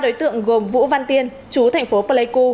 năm đối tượng gồm vũ văn tiên chú thành phố pleiku